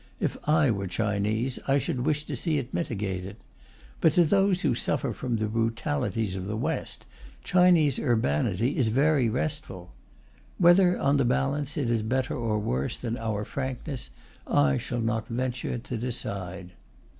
If I were Chinese, I should wish to see it mitigated. But to those who suffer from the brutalities of the West, Chinese urbanity is very restful. Whether on the balance it is better or worse than our frankness, I shall not venture to decide.